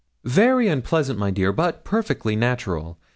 'Very unpleasant, my dear, but perfectly natural.